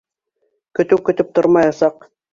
Көтөү көтөп тормаясаҡ.